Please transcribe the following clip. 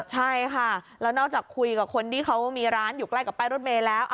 ใช่ค่ะแล้วนอกจากคุยกับคนที่เขามีร้านอยู่ใกล้กับป้ายรถเมย์แล้ว